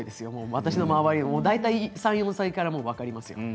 私の周り、大体３、４歳から分かりますよ。